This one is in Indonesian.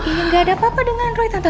raya gak ada apa apa dengan roy tante